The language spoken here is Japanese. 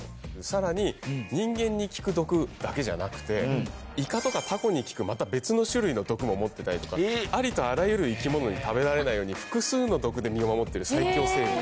さらに人間に効く毒だけじゃなくてイカとかタコに効く別の種類の毒も持ってたりとかありとあらゆる生き物に食べられないように複数の毒で身を守ってる最強生物。